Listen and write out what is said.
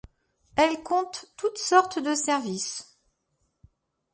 Elle compte toute sorte de services.